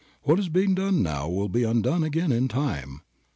What is being done now will be undone again in time.